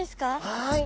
はい。